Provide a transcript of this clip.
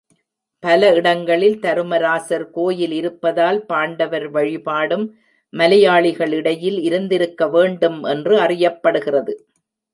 பல இடங்களில் தருமராசர் கோயில் இருப்பதால் பாண்டவர் வழிபாடும் மலையாளிகளிடையில் இருந்திருக்க வேண்டும் என்று அறியப்படுகிறது.